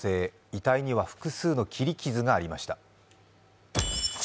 遺体には複数の切り傷がありました。